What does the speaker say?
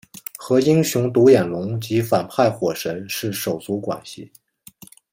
和英雄独眼龙及反派火神是手足关系。